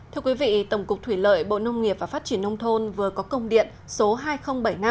thưa quý vị tổng cục thủy lợi bộ nông nghiệp và phát triển nông thôn vừa có công điện số hai nghìn bảy mươi năm